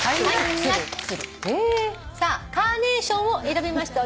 「カーネーション」を選びました